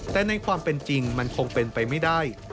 แต่ในความเป็นจริงมันคงเป็นไปไม่ได้